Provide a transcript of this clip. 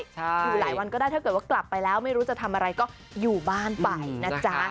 อยู่หลายวันก็ได้ถ้าเกิดว่ากลับไปแล้วไม่รู้จะทำอะไรก็อยู่บ้านไปนะจ๊ะ